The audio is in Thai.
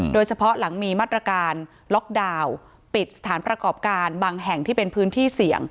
โดยเฉพาะหลังมีมาตรการล็อกดาวน์ปิดสถานประกอบการบางแห่งที่เป็นพื้นที่เสี่ยง